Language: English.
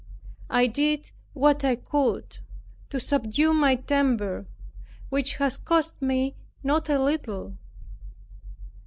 I did what I could to subdue my temper which has cost me not a little.